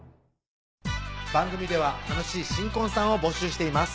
番組では楽しい新婚さんを募集しています